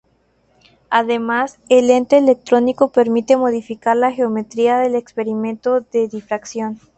Además, el lente electrónico permite modificar la geometría del experimento de difracción.